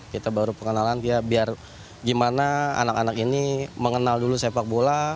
kita baru pengenalan ya biar gimana anak anak ini mengenal dulu sepak bola